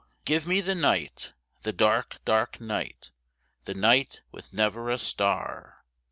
give me the night, the dark, dark night, The night with never a star.